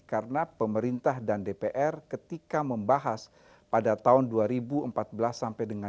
karena pemerintah dan dpr ketika membahas pada tahun dua ribu empat belas sampai dengan dua ribu sembilan belas